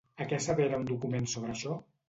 I què assevera un document sobre això?